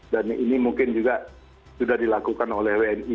dan ini mungkin juga sudah dilakukan oleh wni